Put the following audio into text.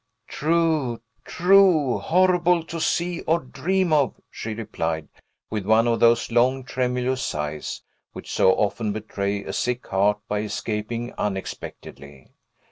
"True, true; horrible to see, or dream of!" she replied, with one of those long, tremulous sighs, which so often betray a sick heart by escaping unexpectedly.